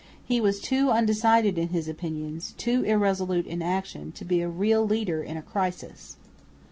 He was too undecided in his opinions, too irresolute in action, to be a real leader in a crisis.